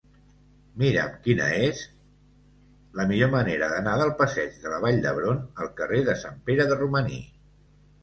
Mira'm quina és la millor manera d'anar del passeig de la Vall d'Hebron al carrer de Sant Pere de Romaní.